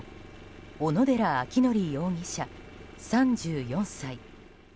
小野寺章仁容疑者、３４歳。